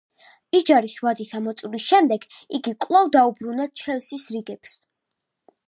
იჯარის ვადის ამოწურვის შემდეგ იგი კვლავ დაუბრუნდა ჩელსის რიგებს.